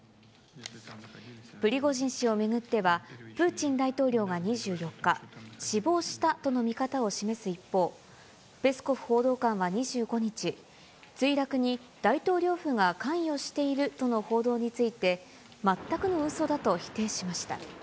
プリゴジン氏を巡っては、プーチン大統領が２４日、死亡したとの見方を示す一方、ペスコフ報道官は２５日、墜落に大統領府が関与しているとの報道について、全くのうそだと否定しました。